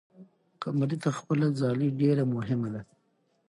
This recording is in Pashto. قمري ته خپله ځالۍ ډېره مهمه ده.